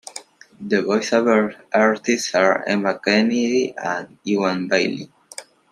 The voiceover artists are Emma Kennedy and Ewan Bailey.